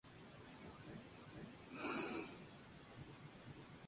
Lagos, charcas, acequias, playas arenosas.